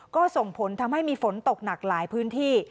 ก็ส่งผลทำให้มีฝนตกหนักหลายพื้นที่